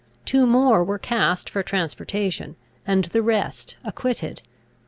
Two more were cast for transportation, and the rest acquitted.